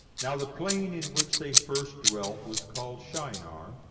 Now the plain in which they first dwelt was called Shinar.